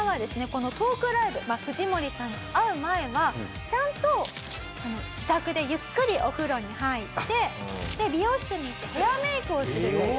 このトークライブ藤森さんに会う前はちゃんと自宅でゆっくりお風呂に入って美容室に行ってヘアメイクをするという。